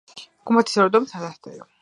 გუმბათების რაოდენობაა ათი.